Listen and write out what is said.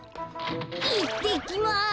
いってきます。